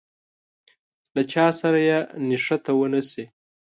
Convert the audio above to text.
له چا سره يې نښته ونه شي.